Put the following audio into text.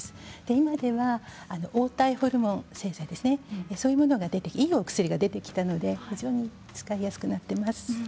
今では黄体ホルモン製剤が出て、いいお薬が出てきたので非常に使いやすくなっています。